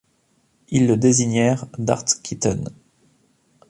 Ils le désignèrent Dart Kitten.